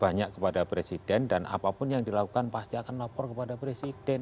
banyak kepada presiden dan apapun yang dilakukan pasti akan lapor kepada presiden